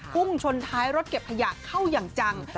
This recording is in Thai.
พุ่งชนท้ายรถเก็บขยะเข้าอย่างจัง